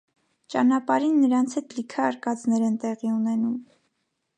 Ճանապարհին նրանց հետ լիքը արկածներ են տեղի ունենում։